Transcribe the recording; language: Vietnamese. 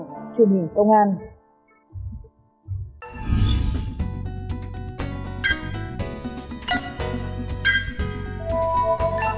xin chào và hẹn gặp lại